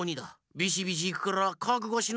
ビシビシいくからかくごしな！